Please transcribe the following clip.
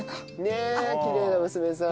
ねえきれいな娘さん。